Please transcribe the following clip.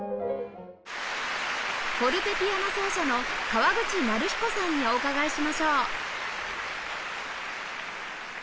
フォルテピアノ奏者の川口成彦さんにお伺いしましょう